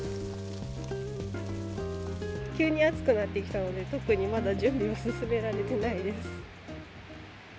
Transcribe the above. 急に暑くなってきたので、特にまだ準備は進められてないです。